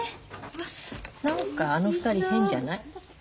何かあの二人変じゃない？